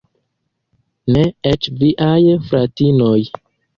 Ne eĉ viaj fratinoj.